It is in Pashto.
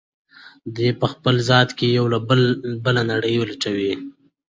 دی په خپل ذات کې یوه بله نړۍ لټوي.